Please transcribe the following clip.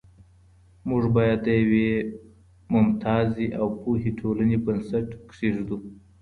موږ بايد د يوې ممتازې او پوهي ټولني بنسټ کېږدو.